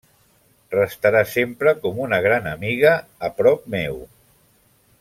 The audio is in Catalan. Restarà sempre com una gran amiga, a prop meu.